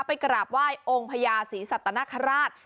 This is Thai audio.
ไปกราบไหว้องค์พญาศรีสัตนคราช